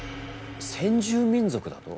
先住民族だと？